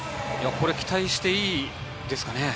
これ期待していいですかね？